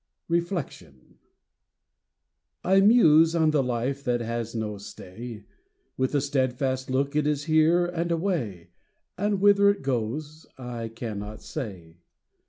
REFLECTION. I muse on the life that has no stay ; With the steadfast look it is here and away, And whither it goes I cannot say.